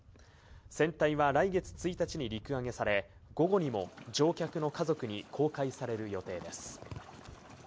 船体は来月１日に陸揚げされ、午後にも乗客の家族に公開される予定です。